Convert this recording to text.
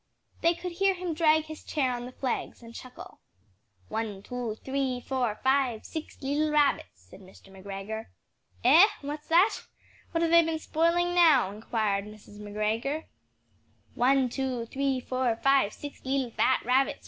They could hear him drag his chair on the flags, and chuckle "One, two, three, four, five, six leetle rabbits!" said Mr. McGregor. "Eh? What's that? What have they been spoiling now?" enquired Mrs. McGregor. "One, two, three, four, five, six leetle fat rabbits!"